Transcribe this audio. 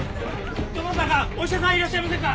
どなたかお医者さんいらっしゃいませんか！？